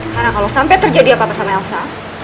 karena kalau sampai terjadi apa apa sama elsa